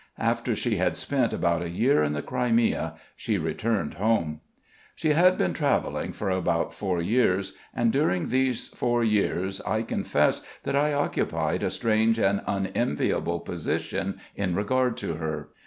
After she had spent about a year in the Crimea she returned home. She had been travelling for about four years, and during these four years I confess that I occupied a strange and unenviable position in regard to her.